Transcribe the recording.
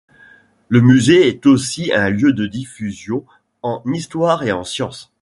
Le musée est aussi un lieu de diffusion en histoire et en sciences.